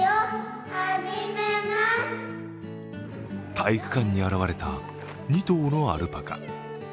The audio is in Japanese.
体育館に現れた２頭のアルパカ。